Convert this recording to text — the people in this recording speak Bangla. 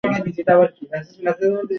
তিনি রোহানকে খুব পছন্দ করেছে।